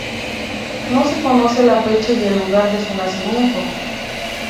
No se conoce la fecha y el lugar de su nacimiento.